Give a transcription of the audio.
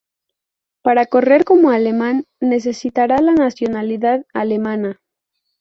Para correr como alemán, necesitará la nacionalidad alemana.